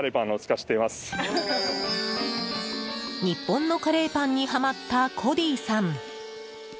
日本のカレーパンにハマったコディさん。